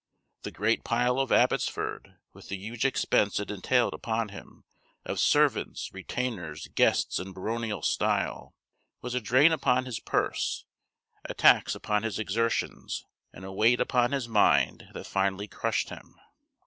The great pile of Abbotsford, with the huge expense it entailed upon him, of servants, retainers, guests, and baronial style, was a drain upon his purse, a tax upon his exertions, and a weight upon his mind, that finally crushed him.